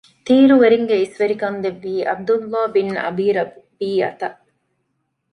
ތީރުވެރީންގެ އިސްވެރިކަން ދެއްވީ ޢަބްދުﷲ ބިން އަބީ ރަބީޢަތަށް